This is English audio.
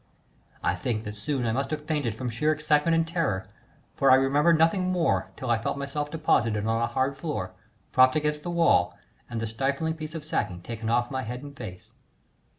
I think that soon I must have fainted from sheer excitement and terror, for I remember nothing more till I felt myself deposited on a hard floor, propped against the wall, and the stifling piece of sacking taken off my head and face.